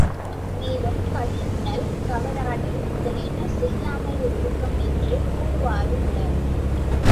மேலும் கள்ளுண்ணல், கவறாடல் முதலியன செய்யாமை ஒழுக்கம் என்று கூறுவாரும் உளர்.